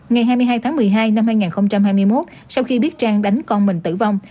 ngày hai mươi hai tháng một mươi hai năm hai nghìn hai mươi một sau khi biết trang đánh con mình tử vong